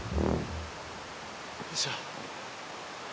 よいしょ。